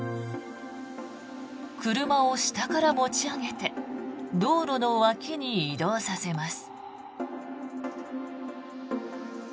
車を下から持ち上げて道路の脇に移動させます。